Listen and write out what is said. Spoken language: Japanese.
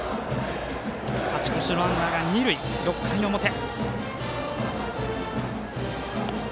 勝ち越しのランナーが二塁６回の表。